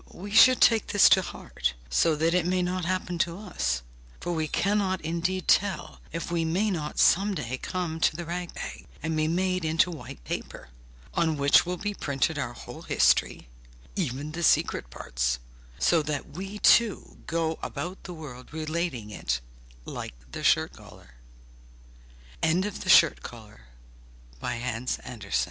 We should take this to heart, so that it may not happen to us, for we cannot indeed tell if we may not some day come to the rag bag, and be made into white paper, on which will be printed our whole history, even the most secret parts, so that we too go about the world relating it, lik